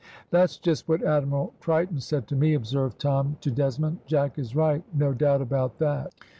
"That's just what Admiral Triton said to me," observed Tom to Desmond. "Jack is right no doubt about that."